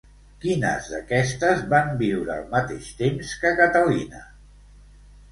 Quines d'aquestes van viure al mateix temps que Catalina?